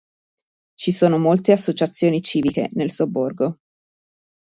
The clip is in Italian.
Ci sono molte associazione civiche nel sobborgo.